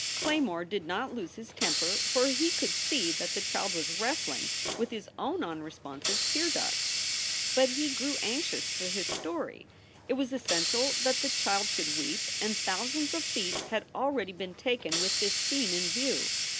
Claymore did not lose his temper, for he could see that the child was wrestling with his own unresponsive tear ducts. But he grew anxious for his story. It was essential that the child should weep and thousands of feet had already been taken with this scene in view.